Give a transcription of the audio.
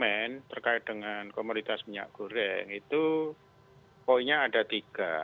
kemen terkait dengan komoditas minyak goreng itu poinnya ada tiga